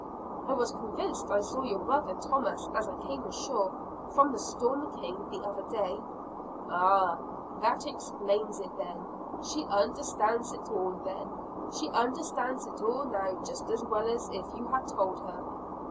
"I was convinced I saw your brother Thomas as I came ashore from the Storm King the other day." "Ah, that explains it then. She understands it all then. She understands it all now just as well as if you had told her."